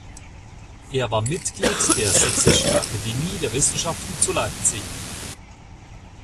Er war Mitglied der Sächsischen Akademie der Wissenschaften zu Leipzig.